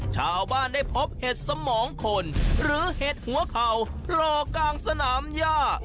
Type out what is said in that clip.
ชาวบ้านได้พบเห็ดสมองคนหรือเห็ดหัวเข่ารอกลางสนามย่า